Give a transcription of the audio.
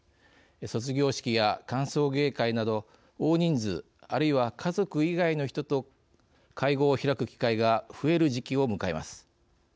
卒業式や歓送迎会など大人数、あるいは家族以外の人と会合を開く機会が増える時期を迎えます。